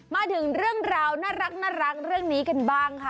มาถึงเรื่องราวน่ารักเรื่องนี้กันบ้างค่ะ